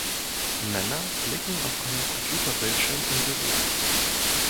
Männer blicken auf einen Computerbildschirm im Büro.